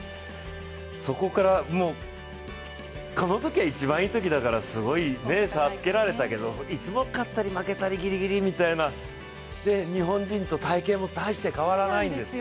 そこからこのときは一番いいときだからすごい差をつけられたけどいつも勝ったり負けたりぎりぎりみたいなで、日本人と体型も大して変わらないんです。